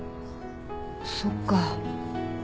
そっか。